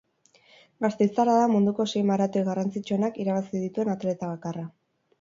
Gasteiztarra da munduko sei maratoi garrantzitsuenak irabazi dituen atleta bakarra.